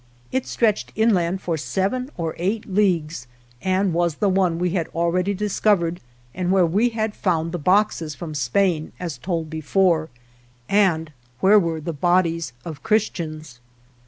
It stretched inland for seven or eight leagues and was the one we had already discovered 191 THE JOURNEY OF and where we had found the boxes from Spain, as told before, and where were the bodies of Christians.